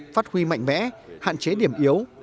phát huy mạnh mẽ hạn chế điểm yếu